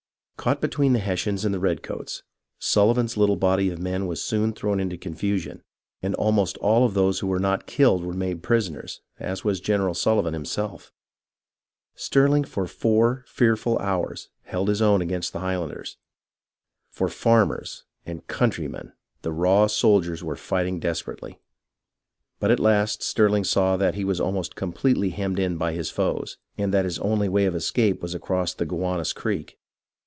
Caught between the Hessians and the redcoats, Sulli van's little body of men was soon thrown into confusion, and almost all of those who were not killed were made prisoners, as was General Sullivan himself. THE STRUGGLE OxN LONG ISLAND II3 Stirling for four fearful hours held his own against the Highlanders. For "farmers" and "country men" the raw soldiers were fighting desperately ; but at last Stirling saw that he was almost completely hemmed in by his foes, and that his only way of escape was across the Gow anus Creek.